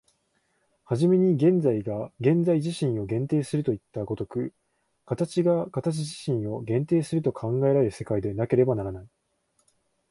始めに現在が現在自身を限定するといった如く、形が形自身を限定すると考えられる世界でなければならない。